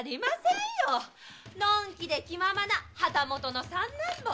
のんきで気ままな旗本の三男坊！